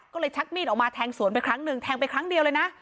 ก็เลยชักมีดออกมาแทงสวนไปครั้งหนึ่งแทงไปครั้งเดียวเลยนะ